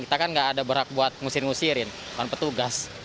kita kan nggak ada berat buat ngusir ngusirin bukan petugas